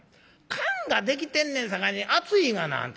燗ができてんねんさかいに熱いがなあんた。